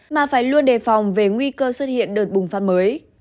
mà phải luôn đề phòng về nguy cơ xuất hiện đợt bùng phát mới